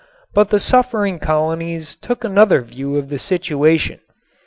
But the suffering colonies took another view of the situation.